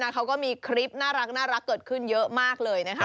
เขาก็มีคลิปน่ารักเกิดขึ้นเยอะมากเลยนะคะ